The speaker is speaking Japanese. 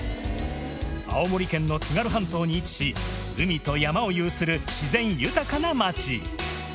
青森県の津軽半島に位置し、海と山を有する自然豊かな町。